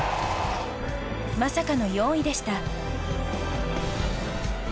まさかの４位でした。